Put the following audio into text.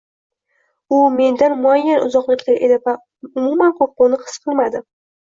u mendan muayyan uzoqlikda edi va umuman qoʻrquvni his qilmadim.